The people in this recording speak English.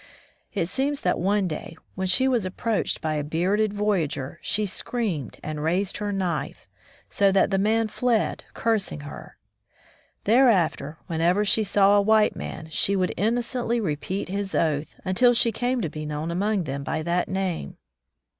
It seems that one day, when she was approached by a bearded voyageur, she screamed and raised her knife, so that the man fled, cursing her. Thereafter, whenever she saw a white 177 From the Deep Woods to Cmlization man, she would innocently repeat his oath, until she came to be known among them by that name.